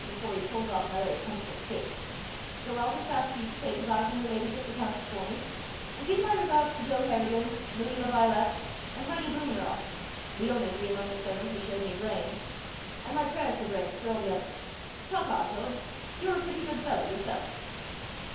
before he pulls off another attempted escape, so I'll just ask you to say good by to Her Ladyship the Countess for me, and give my regards to Joe Harrigan, Louis La Violette, and Heinie Blumenroth, the only three among the servants who showed any brains, and my prayers for brains for all the others. Ta, ta! George! You're a pretty good fellow yourself!"